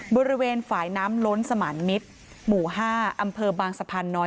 บริเวณฝ่ายน้ำล้นสมานมิตรหมู่๕อำเภอบางสะพานน้อย